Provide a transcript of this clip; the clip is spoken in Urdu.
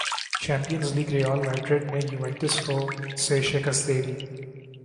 چیمپئنز لیگ ریال میڈرڈ نے یووینٹس کو سے شکست دے دی